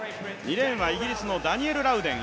２レーンはイギリスのダニエル・ラウデン。